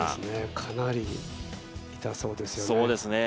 かなり痛そうですよね。